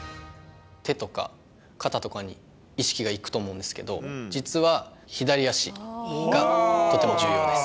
手とか、肩とかに意識が行くと思うんですけど、実は左足がとても重要です。